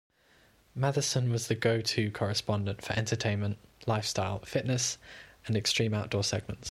Mathison was the go to correspondent for entertainment, lifestyle, fitness, and extreme outdoor segments.